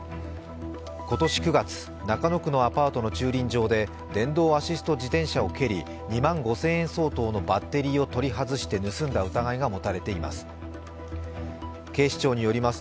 今年９月、中野区のアパートの駐輪場で電動アシスト自転車を蹴り２万５０００円相当のバッテリーを取り外して盗んだ疑いが持たれています。